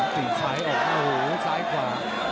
ติดซ้ายออกข้างหัวซ้ายกว่า